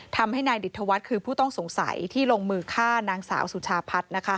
ทำให้นายดิตธวัฒน์คือผู้ต้องสงสัยที่ลงมือฆ่านางสาวสุชาพัฒน์